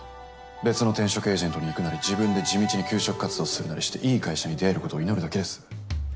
別の転職エージェントに行くなり自分で地道に求職活動するなりしていい会社に出合えることを祈るだけです。